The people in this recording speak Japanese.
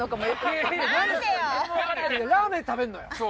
ラーメン食べるのよ。